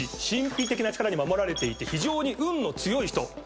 神秘的な力に守られていて非常に運の強い人。